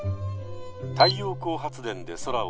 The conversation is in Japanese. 太陽光発電で空を飛ぶ」。